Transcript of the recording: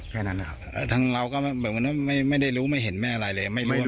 ครั้งเราก็ไม่ได้รู้ไม่เห็นแม่อะไรเลย